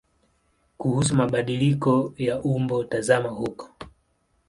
Kuhusu mabadiliko ya umbo tazama huko.